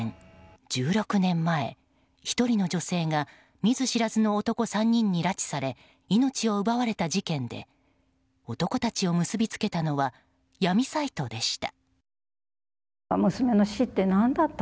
１６年前、１人の女性が見ず知らずの男３人に拉致され命を奪われた事件で男たちを結びつけたのは闇サイトでした。